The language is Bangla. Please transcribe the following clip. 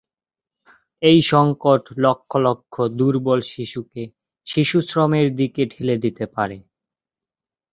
এই সংকট লক্ষ লক্ষ দুর্বল শিশুকে শিশুশ্রমের দিকে ঠেলে দিতে পারে।